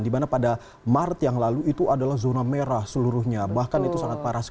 dimana pada maret yang lalu itu adalah zona merah seluruhnya bahkan itu sangat parah